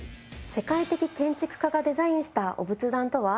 世界的建築家がデザインしたお仏壇とは？